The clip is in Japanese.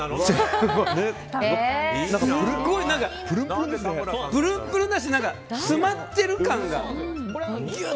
プルプルだし詰まってる感が。